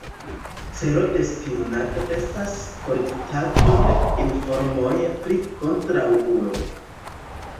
Celo de spionado estas kolektado de informoj pri kontraŭulo.